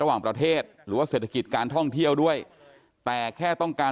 ระหว่างประเทศหรือว่าเศรษฐกิจการท่องเที่ยวด้วยแต่แค่ต้องการ